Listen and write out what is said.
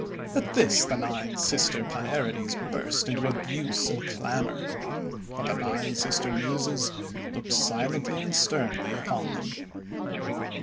5 At this the Nine Sister Pierides burst into abuse 94 THE WONDER GARDEN and clamour. But the Nine Sister Muses looked silently and sternly upon them.